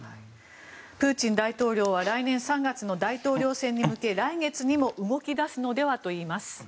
プーチン大統領は来年３月の大統領選に向け来月にも動き出すのでは？といいます。